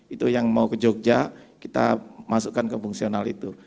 itu yang mau ke jogja kita masukkan ke fungsional itu